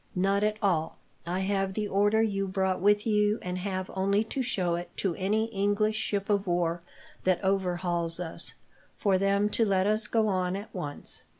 "Not at all. I have the order you brought with you, and have only to show it to any English ship of war that overhauls us, for them to let us go on at once.